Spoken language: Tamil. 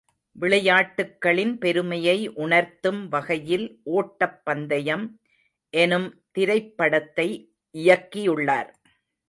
விளையாட்டுக்களின் பெருமையை உணர்த்தும் வகையில் ஓட்டப் பந்தயம் எனும் திரைப்படத்தை இயக்கியுள்ளார்.